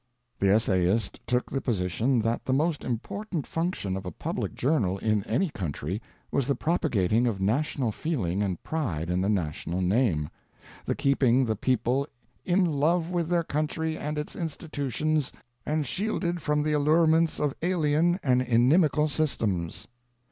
The essayist took the position that the most important function of a public journal in any country was the propagating of national feeling and pride in the national name—the keeping the people "in love with their country and its institutions, and shielded from the allurements of alien and inimical systems."